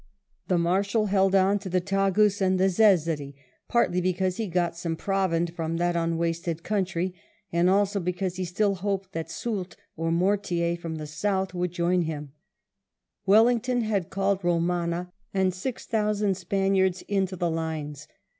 The Marshal held on to the Tagus and the Zezere, partly because he got some provand from that unwasted country, and also because he still hoped that Soult or Mortier from the south would join him, Wellington had called Eomana and six thousand Spaniards into the Lines.